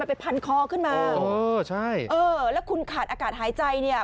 ไปพันคอขึ้นมาเออใช่เออแล้วคุณขาดอากาศหายใจเนี่ย